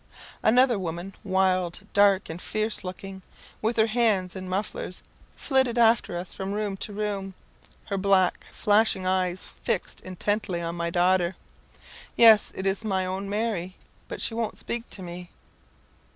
Another woman wild, dark, and fierce looking, with her hands in mufflers flitted after us from room to room, her black, flashing eyes fixed intently on my daughter. "Yes, it is my own Mary! but she won't speak to me."